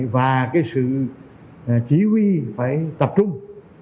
và cái sự chí huy phải tập trung